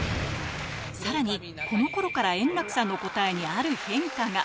さらに、このころから円楽さんの答えにある変化が。